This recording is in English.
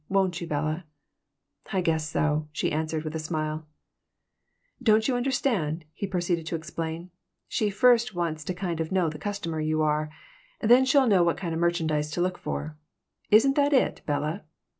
Won't you, Bella?" "I guess so," she answered, with a smile "Don't you understand?" he proceeded to explain. "She first wants to know the kind of customer you are. Then she'll know what kind of merchandise to look for. Isn't that it, Bella?"